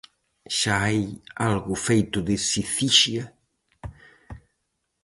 Xa hai algo feito de "Sicixia"?